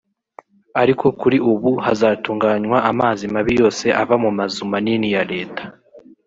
"Ariko kuri ubu hazatunganywa amazi mabi yose ava mu mazu manini ya Leta